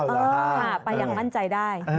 ค่ะไปอย่างมั่นใจได้